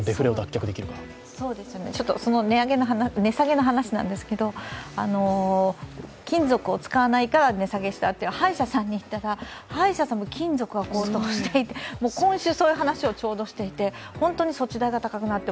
値下げの話ですが金属を使わないから値下げしたという歯医者さんに行ったら歯医者さんも金属が高騰していて今週、そういう話をちょうどしていて本当に処置代が高くなって